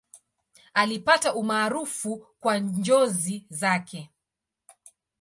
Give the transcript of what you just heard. Alipata umaarufu kwa njozi zake.